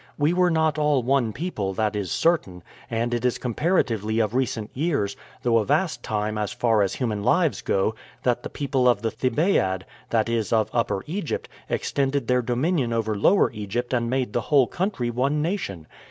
We were not all one people, that is certain; and it is comparatively of recent years, though a vast time as far as human lives go, that the people of the Thebaid that is, of Upper Egypt extended their dominion over Lower Egypt and made the whole country one nation.